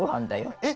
えっ？